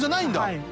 はい。